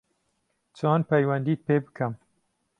چۆن پەیوەندیت پێ بکەم